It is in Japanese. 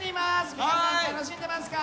皆さん、楽しんでますか？